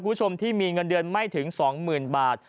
คุณผู้ชมที่มีเงินเดือนไม่ถึง๒๐๐๐บาท